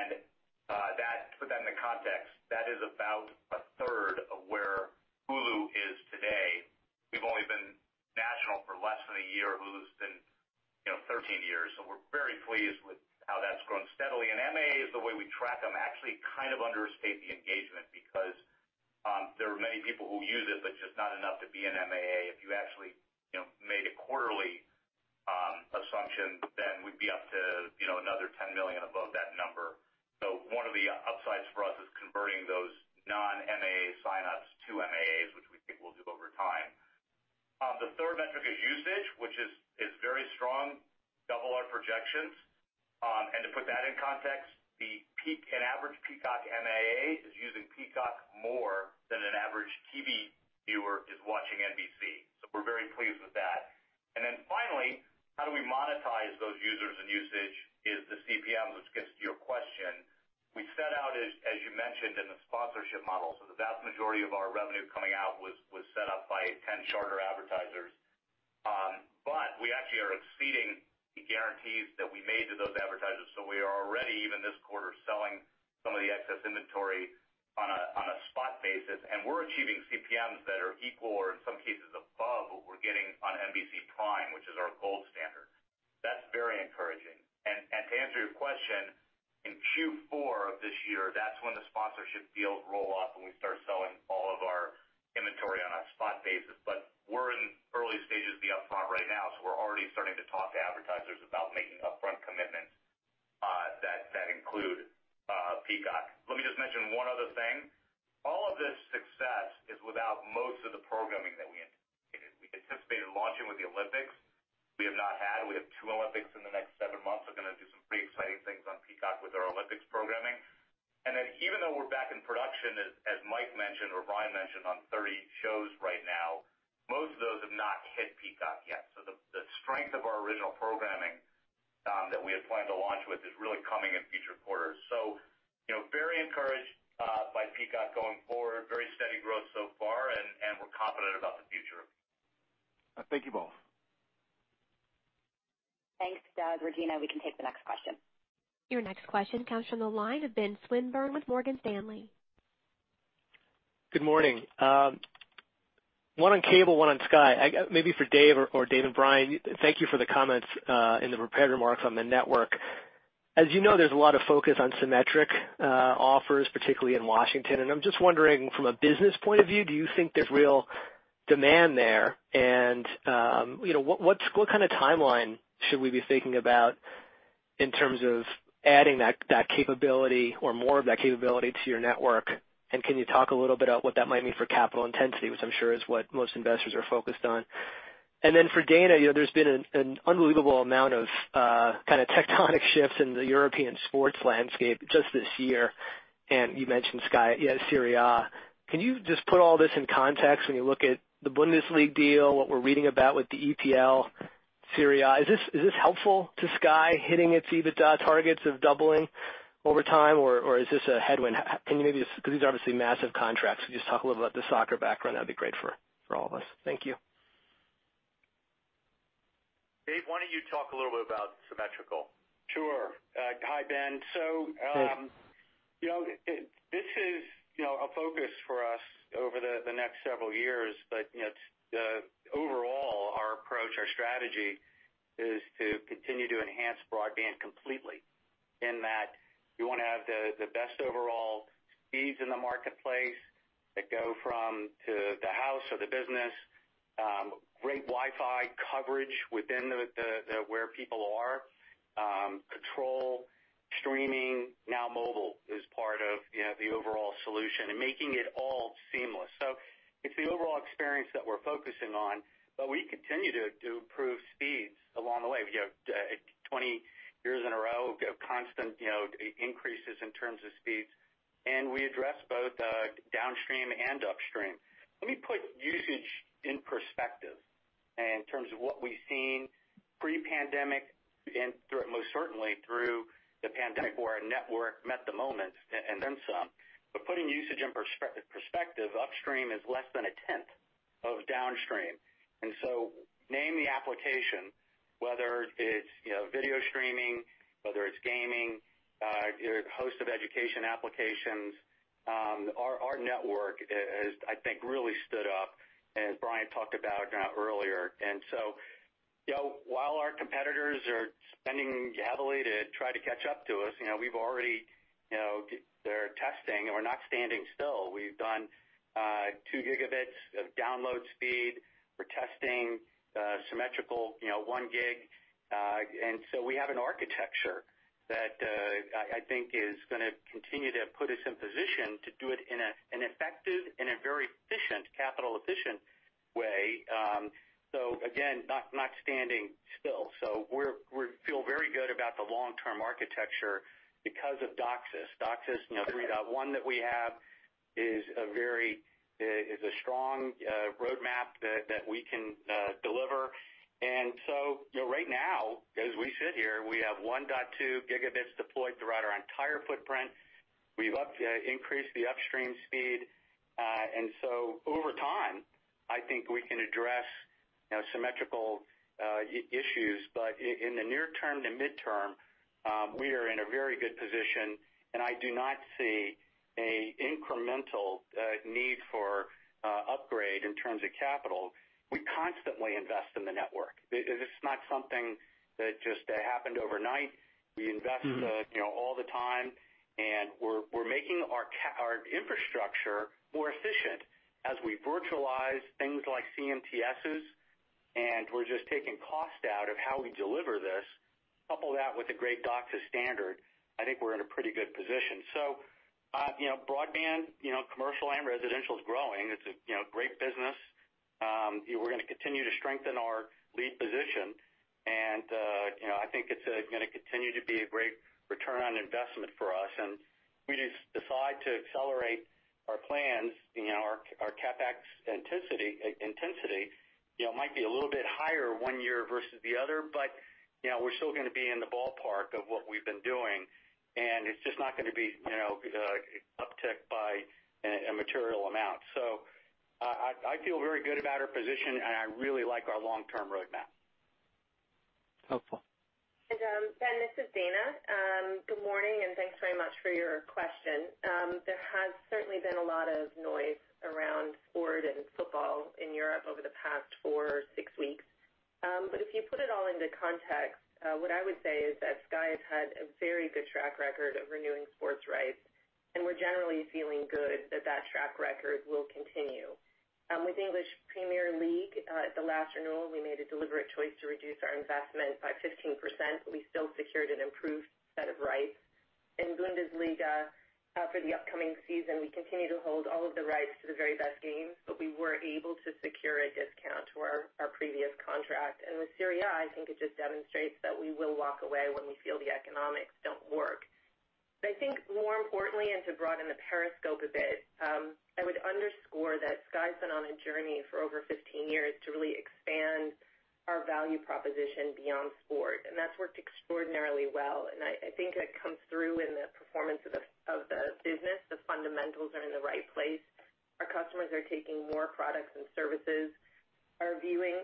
To put that into context, that is about a third of where Hulu is today. We've only been national for less than a year. Hulu's been 13 years. We're very pleased with how that's grown steadily. MAAs, the way we track them, actually kind of understate the engagement because there are many people who use it, but just not enough to be an MAA. If you actually made a quarterly assumption, then we'd be up to another 10 million above that number. One of the upsides for us is converting those non-MAA signups to MAAs, which we think we'll do over time. The third metric is usage, which is very strong, double our projections. To put that in context, an average Peacock MAA is using Peacock more than an average TV viewer is watching NBC. We're very pleased with that. Finally, how do we monetize those users and usage is the CPMs, which gets to your question. We set out, as you mentioned, in the sponsorship model. The vast majority of our revenue coming out was set up by 10 charter advertisers. We actually are exceeding the guarantees that we made to those advertisers. We are already, even this quarter, selling some of the excess inventory on a spot basis, and we're achieving CPMs that are equal or in some cases above what we're getting on NBC Prime, which is our gold standard. That's very encouraging. To answer your question, in Q4 of this year, that's when the sponsorship deals roll off and we start selling all of our inventory on a spot basis. We're in early stages of the upfront right now, so we're already starting to talk to advertisers about making upfront commitments that include Peacock. Let me just mention one other thing. All of this success is without most of the programming that we anticipated. We anticipated launching with the Olympics. We have not had. We have two Olympics in the next seven months. We're going to do some pretty exciting things on Peacock with our Olympics programming. Even though we're back in production, as Mike mentioned or Brian mentioned, on 30 shows right now, most of those have not hit Peacock yet. The strength of our original programming that we had planned to launch with is really coming in future quarters. Very encouraged by Peacock going forward. Very steady growth so far, and we're confident about the future. Thank you both. Thanks, Doug. Regina, we can take the next question. Your next question comes from the line of Ben Swinburne with Morgan Stanley. Good morning. One on Cable Communications, one on Sky Group. Maybe for Dave or Dave and Brian. Thank you for the comments in the prepared remarks on the network. As you know, there's a lot of focus on symmetric offers, particularly in Washington. I'm just wondering from a business point of view, do you think there's real demand there? What kind of timeline should we be thinking about in terms of adding that capability or more of that capability to your network? Can you talk a little bit about what that might mean for capital intensity, which I'm sure is what most investors are focused on. For Dana Strong, there's been an unbelievable amount of kind of tectonic shifts in the European sports landscape just this year. You mentioned Sky Group. You had Serie A. Can you just put all this in context when you look at the Bundesliga deal, what we're reading about with the EPL, Serie A? Is this helpful to Sky hitting its EBITDA targets of doubling over time, or is this a headwind? These are obviously massive contracts. Can you just talk a little about the soccer background? That'd be great for all of us. Thank you. Dave, why don't you talk a little bit about symmetrical? Sure. Hi, Ben. Dave. This is a focus for us over the next several years. Overall our approach, our strategy is to continue to enhance broadband completely in that we want to have the best overall speeds in the marketplace that go from the house or the business, great Wi-Fi coverage within where people are, control streaming, now mobile is part of the overall solution and making it all seamless. It's the overall experience that we're focusing on, but we continue to improve speeds along the way. We have 20 years in a row of constant increases in terms of speeds, and we address both downstream and upstream. Let me put usage in perspective in terms of what we've seen pre-pandemic and most certainly through the pandemic where our network met the moment and then some. Putting usage in perspective, upstream is less than one tenth of downstream. Name the application, whether it's video streaming, whether it's gaming, host of education applications, our network has, I think, really stood up as Brian talked about earlier. While our competitors are spending heavily to try to catch up to us, they're testing, and we're not standing still. We've done 2 Gb of download speed. We're testing symmetrical 1 gig. We have an architecture that I think is going to continue to put us in position to do it in an effective and a very efficient, capital-efficient way. Again, not standing still. We feel very good about the long-term architecture because of DOCSIS. DOCSIS 3.1 that we have is a strong roadmap that we can deliver. Right now, as we sit here, we have 1.2 Gb deployed throughout our entire footprint. We've increased the upstream speed. Over time, I think we can address symmetrical issues. In the near term to midterm, we are in a very good position, and I do not see a incremental need for upgrade in terms of capital. We constantly invest in the network. It's not something that just happened overnight. We invest all the time, and we're making our infrastructure more efficient as we virtualize things like CMTSs, and we're just taking cost out of how we deliver this. Couple that with a great DOCSIS standard, I think we're in a pretty good position. Broadband, commercial and residential, is growing. It's a great business. We're going to continue to strengthen our lead position, and I think it's going to continue to be a great return on investment for us. If we decide to accelerate our plans, our CapEx intensity might be a little bit higher one year versus the other, but we're still going to be in the ballpark of what we've been doing, and it's just not going to be uptick by a material amount. I feel very good about our position, and I really like our long-term roadmap. Helpful. Ben, this is Dana. Good morning, and thanks very much for your question. There has certainly been a lot of noise around sport and football in Europe over the past four, six weeks. If you put it all into context, what I would say is that Sky has had a very good track record of renewing sports rights, and we're generally feeling good that track record will continue. With English Premier League, at the last renewal, we made a deliberate choice to reduce our investment by 15%, but we still secured an improved set of rights. In Bundesliga, for the upcoming season, we continue to hold all of the rights to the very best games, but we were able to secure a discount to our previous contract. With Serie A, I think it just demonstrates that we will walk away when we feel the economics don't work. I think more importantly, and to broaden the periscope a bit, I would underscore that Sky's been on a journey for over 15 years to really expand our value proposition beyond sport, and that's worked extraordinarily well. I think that comes through in the performance of the business. The fundamentals are in the right place. Our customers are taking more products and services. Our viewing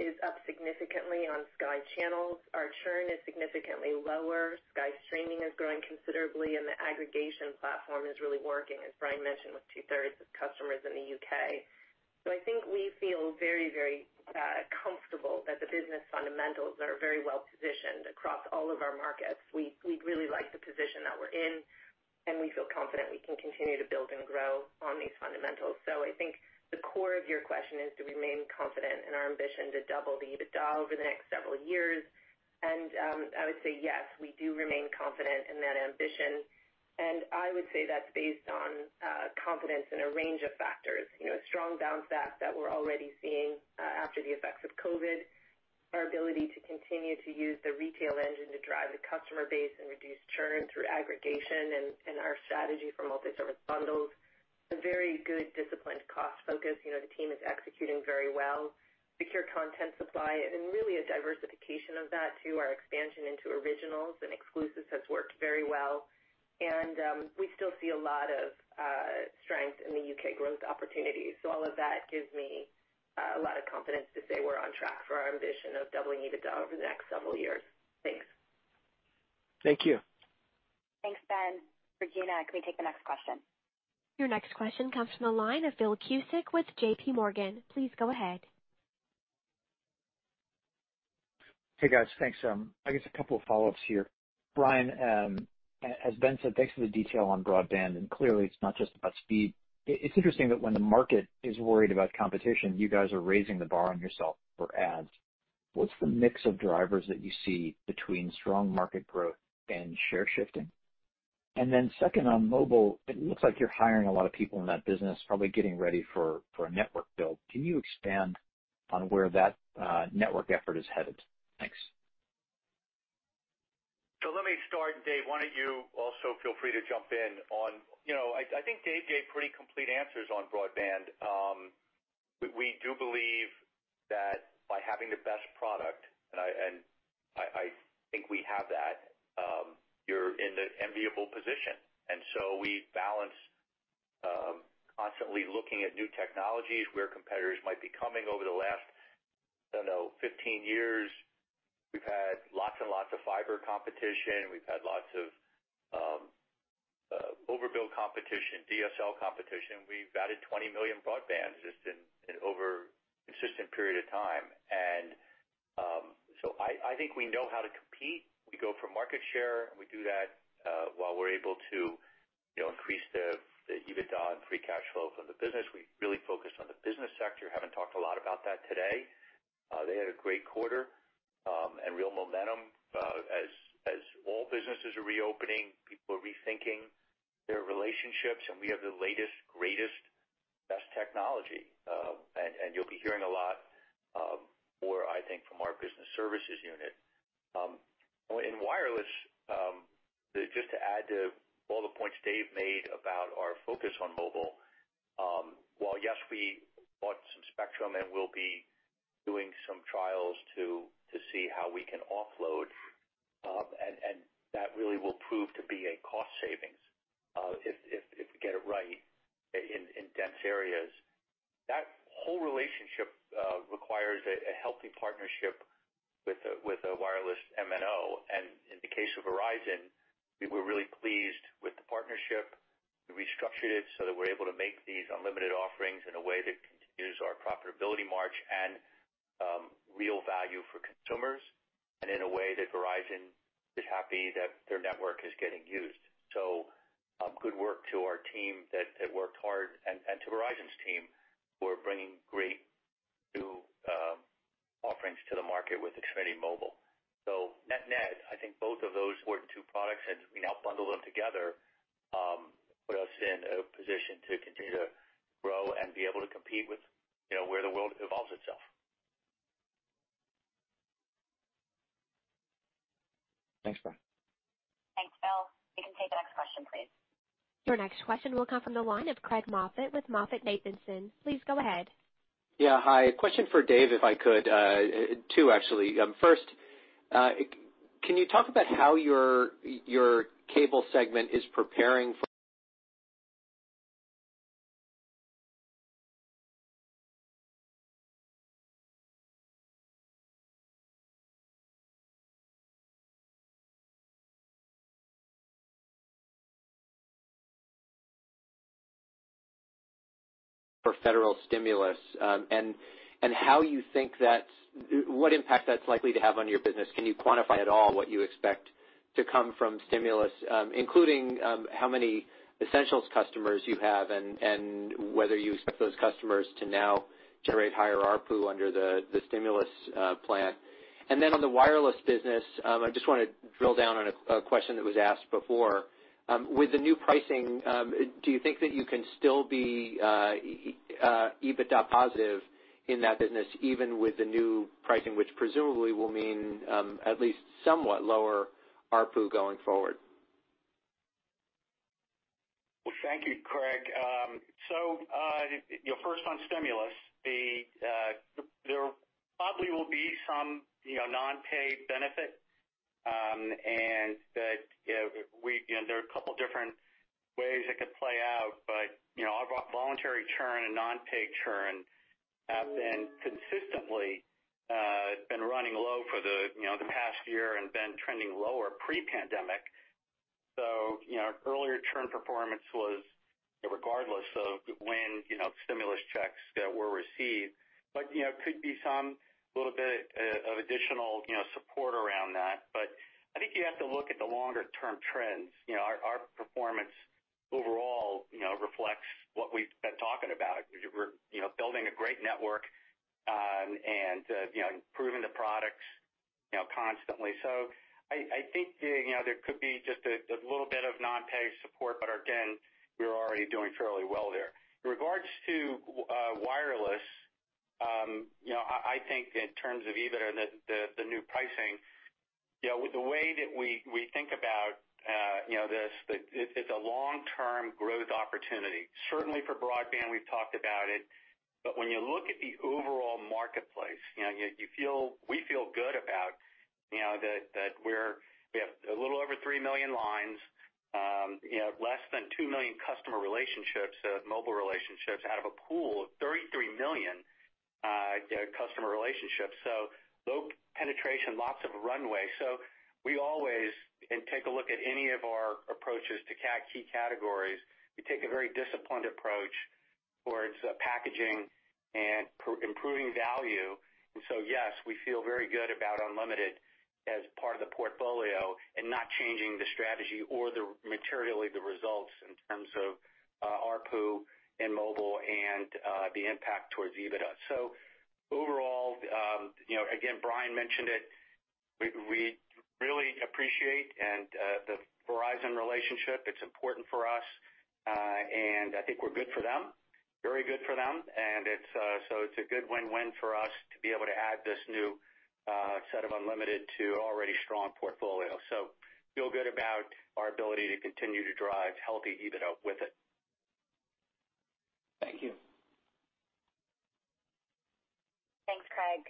is up significantly on Sky channels. Our churn is significantly lower. Sky streaming is growing considerably, and the aggregation platform is really working, as Brian mentioned, with two-thirds of customers in the U.K. I think we feel very comfortable that the business fundamentals are very well positioned across all of our markets. We really like the position that we're in, and we feel confident we can continue to build and grow on these fundamentals. I think the core of your question is, do we remain confident in our ambition to double the EBITDA over the next several years? I would say yes, we do remain confident in that ambition. I would say that's based on confidence in a range of factors. A strong bounce back that we're already seeing after the effects of COVID, our ability to continue to use the retail engine to drive the customer base and reduce churn through aggregation and our strategy for multi-service bundles. A very good, disciplined cost focus. The team is executing very well. Secure content supply and really a diversification of that, too. Our expansion into originals and exclusives has worked very well. We still see a lot of strength in the U.K. growth opportunities. All of that gives me a lot of confidence to say we're on track for our ambition of doubling EBITDA over the next several years. Thanks. Thank you. Thanks, Ben. Regina, can we take the next question? Your next question comes from the line of Phil Cusick with JPMorgan. Please go ahead. Hey, guys. Thanks. I guess a couple of follow-ups here. Brian, as Ben said, thanks for the detail on broadband. Clearly it's not just about speed. It's interesting that when the market is worried about competition, you guys are raising the bar on yourself for ads. What's the mix of drivers that you see between strong market growth and share shifting? Then second, on mobile, it looks like you're hiring a lot of people in that business, probably getting ready for a network build. Can you expand on where that network effort is headed? Thanks. Let me start. Dave, why don't you also feel free to jump in on. I think Dave gave pretty complete answers on broadband. We do believe that by having the best product, and I think we have that, you're in the enviable position. We balance constantly looking at new technologies where competitors might be coming over the last, I don't know, 15 years. We've had lots and lots of fiber competition. We've had lots of. OVerbuild competition, DSL competition. We've added 20 million broadband just in over a consistent period of time. I think we know how to compete. We go for market share, and we do that while we're able to increase the EBITDA and free cash flow from the business. We really focus on the business sector. Haven't talked a lot about that today. They had a great quarter, and real momentum. As all businesses are reopening, people are rethinking their relationships, and we have the latest, greatest, best technology. You'll be hearing a lot more, I think, from our business services unit. In wireless, just to add to all the points Dave made about our focus on mobile. While yes, we bought some spectrum, and we'll be doing some trials to see how we can offload, and that really will prove to be a cost savings, if we get it right in dense areas. That whole relationship requires a healthy partnership with a wireless MNO. In the case of Verizon, we were really pleased with the partnership. We restructured it so that we're able to make these unlimited offerings in a way that continues our profitability march and real value for consumers, and in a way that Verizon is happy that their network is getting used. Good work to our team that worked hard and to Verizon's team who are bringing great new offerings to the market with Xfinity Mobile. Net-net, I think both of those were two products, and we now bundle them together, put us in a position to continue to grow and be able to compete with where the world evolves itself. Thanks, Brian. Thanks. Phil, you can take the next question, please. Your next question will come from the line of Craig Moffett with MoffettNathanson. Please go ahead. Yeah. Hi. A question for Dave, if I could. Two, actually. First, can you talk about how your cable segment is preparing for federal stimulus, and what impact that's likely to have on your business? Can you quantify at all what you expect to come from stimulus, including how many Essentials customers you have and whether you expect those customers to now generate higher ARPU under the stimulus plan? Then on the wireless business, I just want to drill down on a question that was asked before. With the new pricing, do you think that you can still be EBITDA positive in that business, even with the new pricing, which presumably will mean at least somewhat lower ARPU going forward? Well, thank you, Craig. First on stimulus, there probably will be some non-pay benefit, and there are a couple different ways it could play out. Our voluntary churn and non-pay churn have consistently running low for the past year and been trending lower pre-pandemic. Earlier churn performance was regardless of when stimulus checks were received. Could be some little bit of additional support around that. I think you have to look at the longer term trends. Our performance overall reflects what we've been talking about. We're building a great network and improving the products constantly. I think there could be just a little bit of non-pay support, but again, we're already doing fairly well there. In regards to wireless, I think in terms of EBITDA, the new pricing, the way that we think about this, it's a long-term growth opportunity. Certainly for broadband, we've talked about it. When you look at the overall marketplace, we feel good about that we have a little over 3 million lines, less than 2 million customer relationships, mobile relationships out of a pool of 33 million customer relationships. Low penetration, lots of runway. We always take a look at any of our approaches to key categories. We take a very disciplined approach towards packaging and improving value. Yes, we feel very good about unlimited as part of the portfolio and not changing the strategy or materially the results in terms of ARPU in mobile and the impact towards EBITDA. Overall, again, Brian mentioned it, we really appreciate the Verizon relationship. It's important for us, and I think we're good for them, very good for them. It's a good win-win for us to be able to add this new set of unlimited to already strong portfolio. Feel good about our ability to continue to drive healthy EBITDA with it. Thank you. Thanks, Craig.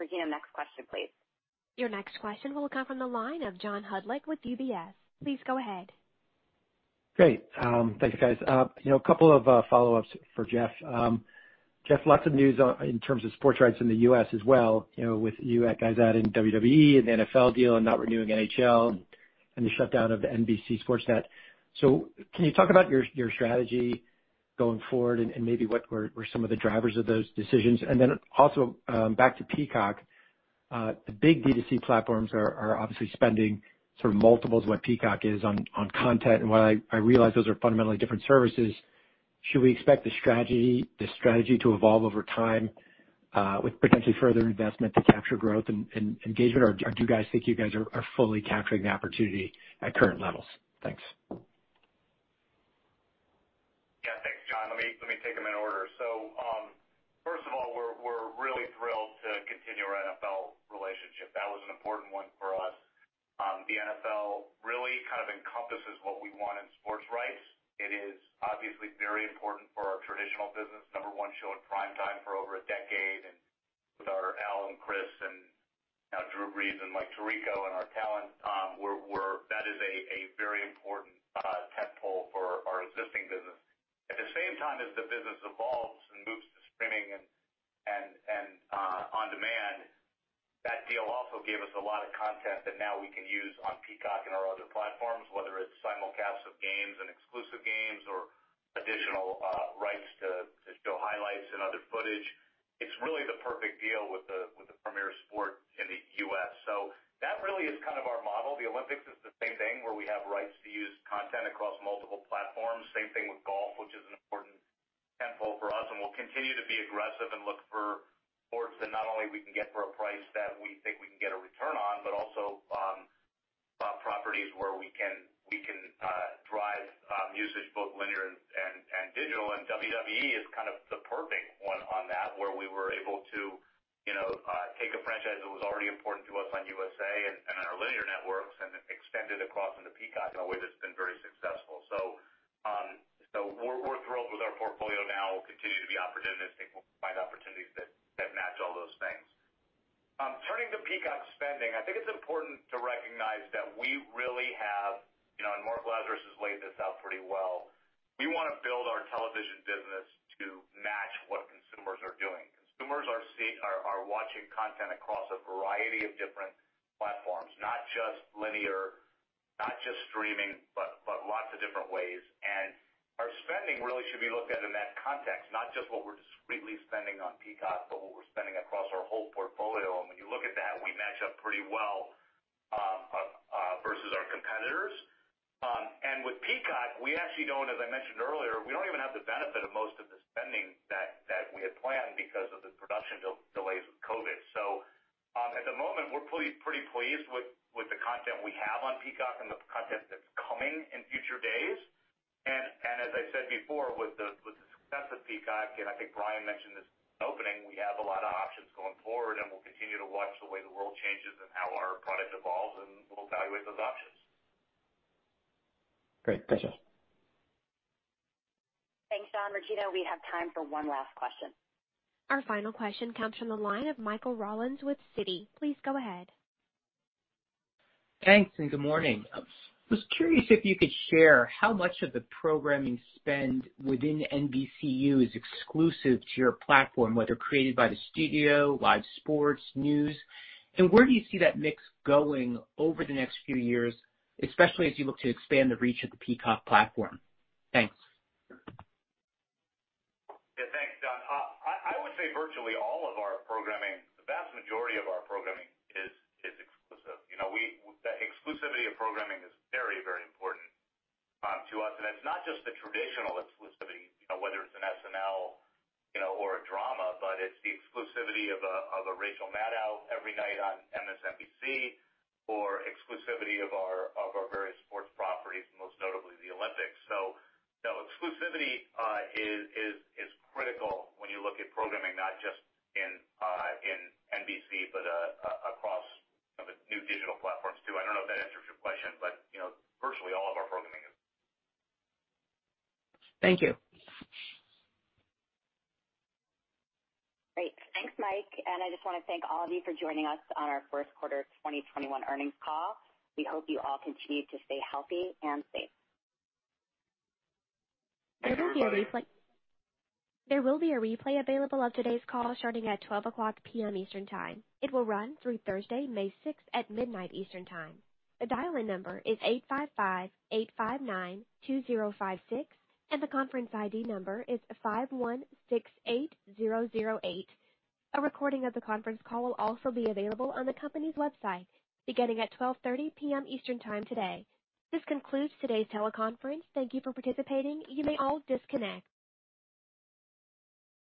Regina, next question, please. Your next question will come from the line of John Hodulik with UBS. Please go ahead. Great. Thank you, guys. A couple of follow-ups for Jeff. Jeff, lots of news in terms of sports rights in the U.S. as well, with you guys adding WWE, an NFL deal, and not renewing NHL, and the shutdown of NBC SportsNet. Can you talk about your strategy going forward and maybe what were some of the drivers of those decisions? Also back to Peacock. The big D2C platforms are obviously spending sort of multiples of what Peacock is on content. While I realize those are fundamentally different services, should we expect the strategy to evolve over time with potentially further investment to capture growth and engagement or do you guys think you guys are fully capturing the opportunity at current levels? Thanks. Yeah. Thanks, John. Let me take them in order. First of all, we're really thrilled to continue our NFL relationship. That was an important one for us. The NFL really kind of encompasses what we want in sports rights. It is obviously very important for our traditional business, number one show in prime time for over a decade, and with our Al and Cris and now Drew Brees and Mike Tirico and our talent, that is a very important tent pole for our existing business. At the same time, as the business evolves and moves to streaming and on-demand, that deal also gave us a lot of content that now we can use on Peacock and our other platforms, whether it's simulcasts of games and exclusive games or additional rights to show highlights and other footage. It's really the perfect deal with the premier sport in the U.S. That really is kind of our model. The Olympics is the same thing where we have rights to use content across multiple platforms. Same thing with golf, which is an important tent pole for us, and we'll continue to be aggressive and look for sports that not only we can get for a price that we think we can get a return on, but also properties where we can drive usage both linear and digital. WWE is kind of the perfect one on that, where we were able to take a franchise that was already important to us on USA and on our linear networks and extend it across into Peacock in a way that's been very successful. We're thrilled with our portfolio now. We'll continue to be opportunistic. We'll find opportunities that match all those things. Turning to Peacock spending, I think it's important to recognize that we really have, Mark Lazarus has laid this out pretty well. We want to build our television business to match what consumers are doing. Consumers are watching content across a variety of different platforms, not just linear, not just streaming, but lots of different ways. Our spending really should be looked at in that context, not just what we're discretely spending on Peacock, but what we're spending across our whole portfolio. When you look at that, we match up pretty well versus our competitors. With Peacock, we actually don't, as I mentioned earlier, we don't even have the benefit of most of the spending that we had planned because of the production delays with COVID. At the moment, we're pretty pleased with the content we have on Peacock and the content that's coming in future days. As I said before, with the success of Peacock, I think Brian mentioned this in opening, we have a lot of options going forward, and we'll continue to watch the way the world changes and how our product evolves, and we'll evaluate those options. Great. Thanks, Jeff. Thanks, John. Regina, we have time for one last question. Our final question comes from the line of Michael Rollins with Citi. Please go ahead. Thanks. Good morning. I was curious if you could share how much of the programming spend within NBCU is exclusive to your platform, whether created by the studio, live sports, news, and where do you see that mix going over the next few years, especially as you look to expand the reach of the Peacock platform? Thanks. Yeah, thanks, Ron. I would say virtually all of our programming, the vast majority of our programming is exclusive. The exclusivity of programming is very, very important to us, and it's not just the traditional exclusivity, whether it's an SNL or a drama, but it's the exclusivity of a Rachel Maddow every night on MSNBC or exclusivity of our various sports properties, most notably the Olympics. Exclusivity is critical when you look at programming, not just in NBC, but across the new digital platforms too. I don't know if that answers your question, but virtually all of our programming is. Thank you. Great. Thanks, Mike. I just want to thank all of you for joining us on our first quarter 2021 earnings call. We hope you all continue to stay healthy and safe. There will be a replay available of today's call starting at 12:00 P.M. Eastern Time. It will run through Thursday, May 6th at midnight Eastern Time. The dial-in number is 855-859-2056, and the conference ID number is 5168008. A recording of the conference call will also be available on the company's website beginning at 12:30 PM Eastern Time today. This concludes today's teleconference. Thank you for participating. You may all disconnect.